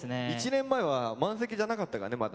１年前は満席じゃなかったからねまだね。